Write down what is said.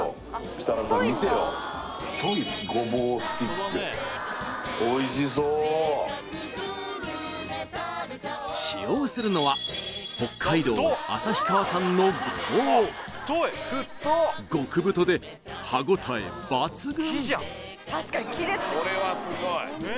設楽さん見てよ太いごぼうおいしそう使用するのは北海道旭川産のごぼう極太で歯応え抜群！